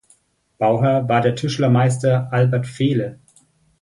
Bauherr war der Tischlermeister Albert Fehle.